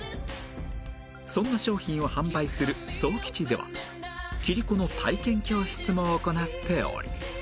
そんな商品を販売する創吉では切子の体験教室も行っており